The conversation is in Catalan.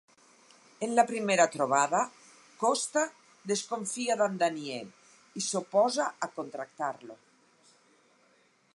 En la primera trobada Costa desconfia d'en Daniel i s'oposa a contractar-lo.